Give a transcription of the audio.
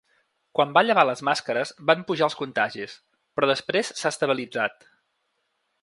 Quan va llevar les màscares van pujar els contagis, però després s’ha estabilitzat.